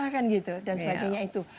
dan sebagainya itu